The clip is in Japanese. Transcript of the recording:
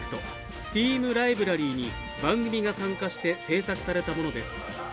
ＳＴＥＡＭライブラリーに番組が参加して制作されたものです。